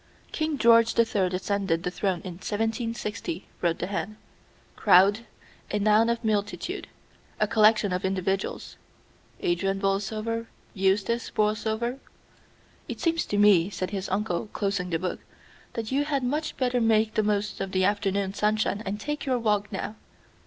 "King George the Third ascended the throne in 1760," wrote the hand. "Crowd, a noun of multitude; a collection of individuals Adrian Borlsover, Eustace Borlsover." "It seems to me," said his uncle, closing the book, "that you had much better make the most of the afternoon sunshine and take your walk now."